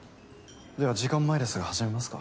では時間前ですが始めますか。